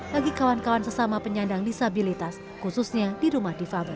bagi kawan kawan sesama penyandang disabilitas khususnya di rumah difabel